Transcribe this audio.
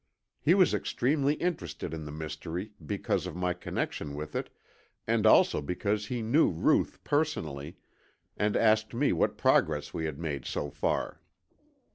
He was extremely interested in the mystery because of my connection with it and also because he knew Ruth personally, and asked me what progress we had made so far.